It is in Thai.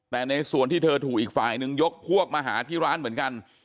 แต่ในส่วนที่เธอถูกอีกฝ่ายนึงยกพวกมาหาที่ร้านเหมือนกัน